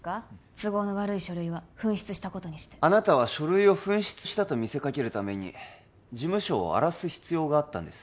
都合の悪い書類は紛失したことにしてあなたは書類を紛失したと見せかけるために事務所を荒らす必要があったんです